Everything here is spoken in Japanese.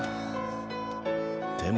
でも。